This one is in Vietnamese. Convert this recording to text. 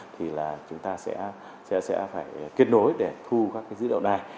thì là chúng ta sẽ phải kết nối để thu các dữ liệu này